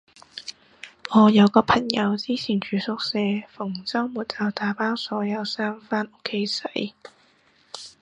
我有個朋友以前住宿舍，逢周末就打包所有衫返屋企洗